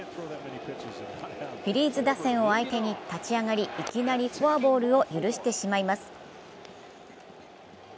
フィリーズ打線を相手に立ち上がり、いきなりフォアボールを許してしまいます。